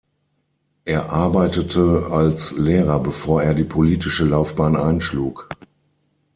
Er arbeitete als Lehrer, bevor er die politische Laufbahn einschlug.